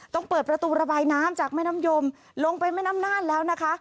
ต้องเปิดประตูระบายน้ำจากแม่น้ำยมลงไปแม่น้ำน่านแล้วนะคะ